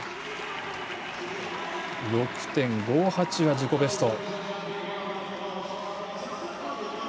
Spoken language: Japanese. ６．５８が自己ベスト。